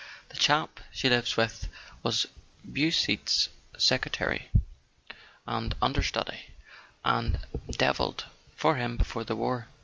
The chap she lives with was Beausite's secretary and understudy, and devilled for him before the war.